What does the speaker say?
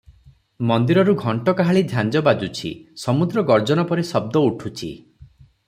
ମନ୍ଦିରରୁ ଘଣ୍ଟ କାହାଳି ଝାଞ୍ଜ ବାଜୁଛି, ସମୁଦ୍ର ଗର୍ଜନ ପରି ଶବ୍ଦ ଉଠୁଛି ।